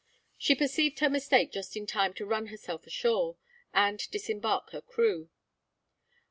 She perceived her mistake just in time to run herself ashore, and disembark her crew.